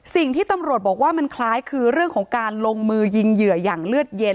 สิ่งที่ตำรวจบอกว่ามันคล้ายคือเรื่องของการลงมือยิงเหยื่ออย่างเลือดเย็น